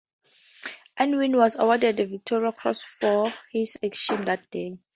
Unwin was awarded the Victoria Cross for his actions that day.